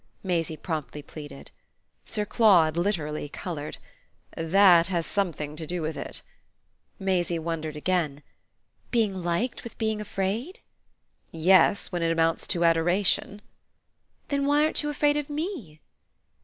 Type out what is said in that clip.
Maisie promptly pleaded. Sir Claude literally coloured. "That has something to do with it." Maisie wondered again. "Being liked with being afraid?" "Yes, when it amounts to adoration." "Then why aren't you afraid of ME?"